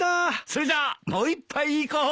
それじゃもう一杯いこう！